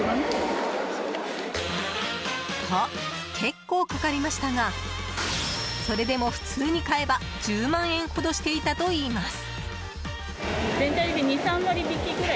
と、結構かかりましたがそれでも普通に買えば１０万円ほどしていたといいます。